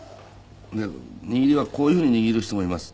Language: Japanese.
で握りはこういうふうに握る人もいます。